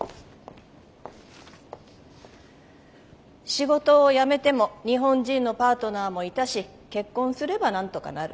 仕事を辞めても日本人のパートナーもいたし結婚すればなんとかなる。